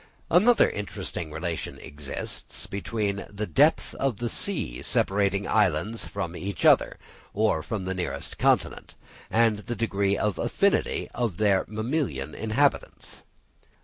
Another interesting relation exists, namely, between the depth of the sea separating islands from each other, or from the nearest continent, and the degree of affinity of their mammalian inhabitants.